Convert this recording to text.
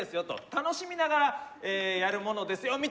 楽しみながらやるものですよみたいな。